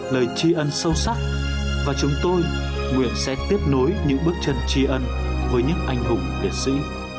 nơi tri ân sâu sắc và chúng tôi nguyện sẽ tiếp nối những bước chân tri ân với những anh hùng liệt sĩ